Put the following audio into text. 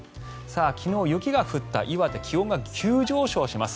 昨日、雪が降った岩手気温が急上昇します。